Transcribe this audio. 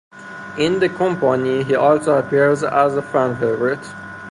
In the company, he also appears as a fan favorite.